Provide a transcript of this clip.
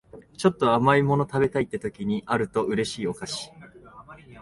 ちょっと甘い物食べたいって時にあると嬉しいお菓子